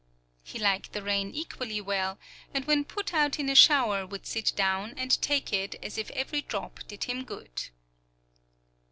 He liked the rain equally well, and when put out in a shower would sit down and take it as if every drop did him good.